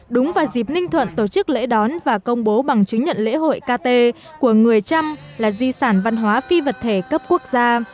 đúng vào dịp ninh thuận tổ chức lễ đón và công bố bằng chứng nhận lễ hội kt của người trăm là di sản văn hóa phi vật thể cấp quốc gia